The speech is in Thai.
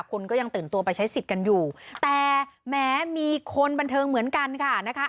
คนก็ยังตื่นตัวไปใช้สิทธิ์กันอยู่แต่แม้มีคนบันเทิงเหมือนกันค่ะนะคะ